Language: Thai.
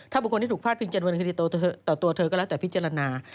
ถ้าบุคคลที่ถูกพลาดพิงจะดำเนินคดีต่อตัวเธอก็แล้วแต่พิจารณา